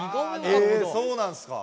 えそうなんすか！